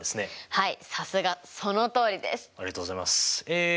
はい。